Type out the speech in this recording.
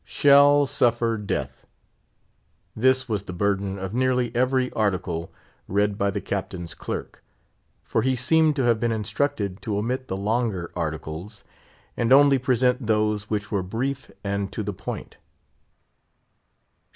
"Shall suffer death!" This was the burden of nearly every Article read by the Captain's clerk; for he seemed to have been instructed to omit the longer Articles, and only present those which were brief and to the point.